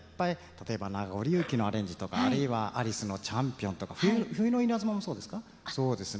例えば「なごり雪」のアレンジとかあるいはアリスの「チャンピオン」とか「冬の稲妻」もそうですか？